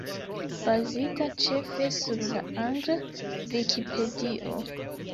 Bazita ĉefe sur la angla Vikipedio.